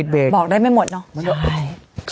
บอกได้ไม่หมดเนาะ